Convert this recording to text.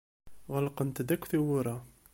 Ɣelqent-d akk tewwura.